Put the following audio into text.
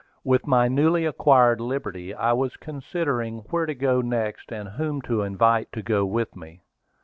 With my newly acquired liberty I was considering where to go next, and whom to invite to go with me.